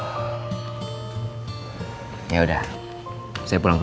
kita akan mencari kemampuan untuk memperbaiki kemampuan kita